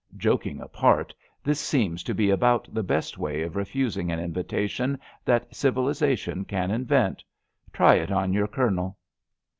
(Joking apart, this seems to be about the best way of refusing an invitation that civilisation can invent. Try it on your Colonel.)